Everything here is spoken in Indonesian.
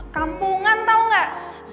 kampungan tau gak